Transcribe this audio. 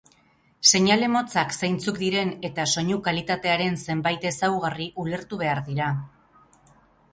Seinale motak zeintzuk diren eta soinu-kalitatearen zenbait ezaugarri ulertu behar dira